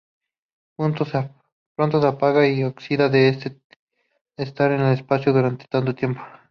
Pronto se apaga y oxidada de estar en el espacio durante tanto tiempo.